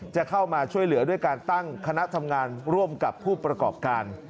จะเข้ามาช่วยเหลือด้วยการตั้งคณะทำงานร่วมกับผู้ประกอบการ